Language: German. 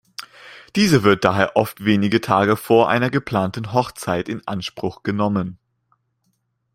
Diese wird daher oft wenige Tage vor einer geplanten Hochzeit in Anspruch genommen.